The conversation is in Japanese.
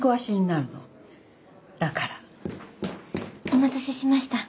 お待たせしました。